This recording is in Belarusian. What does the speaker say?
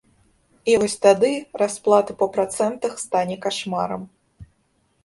І вось тады расплата па працэнтах стане кашмарам.